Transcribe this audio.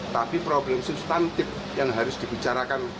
tapi problem substantif yang harus dibicarakan